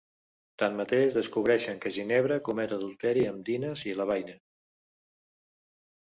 Tanmateix, descobreixen que Ginebra comet adulteri amb Dinas i Lavaine.